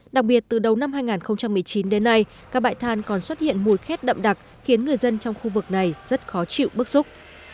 đặc biệt từ đầu năm hai nghìn một mươi chín đến nay các bãi than còn xuất hiện mùi khét đậm đặc khiến người dân trong khu vực này rất khó chịu bức xúc